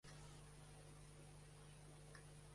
Jessica Goicoechea és una model nascuda a Barcelona.